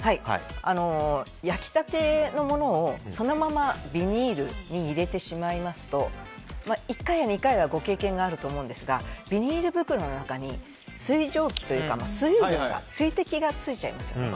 焼きたてのものを、そのままビニールに入れてしまいますと１回や２回はご経験があると思いますがビニール袋の中に水蒸気というか水滴がついちゃいますよね。